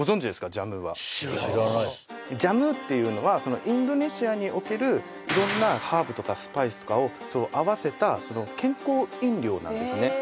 ジャムウは知らないジャムウっていうのはインドネシアにおける色んなハーブとかスパイスとかを合わせた健康飲料なんですね